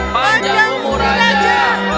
panjang umur raja